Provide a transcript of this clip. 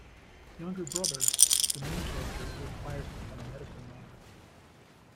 Younger Brother - The main character, who aspires to become a medicine man.